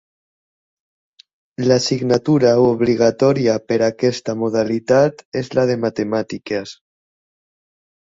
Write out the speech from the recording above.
L'assignatura obligatòria per aquesta modalitat és la de matemàtiques.